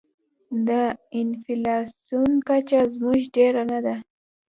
د انفلاسیون کچه زموږ ډېره نه ده.